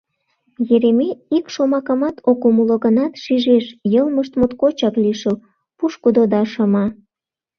Еремей ик шомакымат ок умыло гынат, шижеш: йылмышт моткочак лишыл, пушкыдо да шыма.